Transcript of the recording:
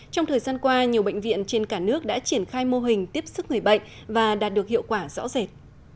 trong thời gian qua nhiều bệnh viện trên cả nước đã triển khai mô hình tiếp xúc người bệnh và đạt được hiệu quả rõ rệt